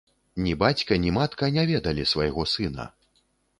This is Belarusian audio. Ні бацька, ні матка не ведалі свайго сына.